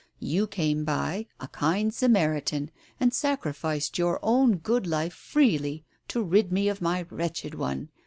You came by, a kind Samaritan, and sacrificed your own good life freely to rid me of my wretched one.